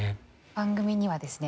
番組にはですね